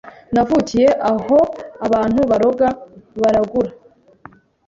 navukiye aho abantu baroga, baragura